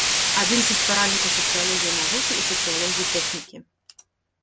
Адзін са стваральнікаў сацыялогіі навукі і сацыялогіі тэхнікі.